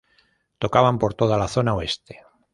Tocaban por toda la zona oeste.